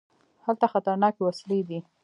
هلته خطرناکې وسلې دي.